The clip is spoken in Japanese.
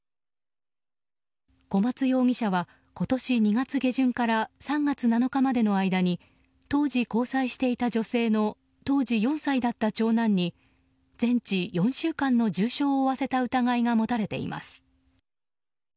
小松容疑者は今年２月下旬から３月７日までの間に当時交際していた女性の当時４歳だった長男に全治４週間の重傷を負わせた疑いが持たれています。